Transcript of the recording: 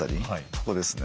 ここですね。